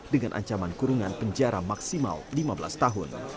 dengan ancaman kurungan penjara maksimal lima belas tahun